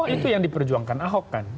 itu yang diperjuangkan ahok kan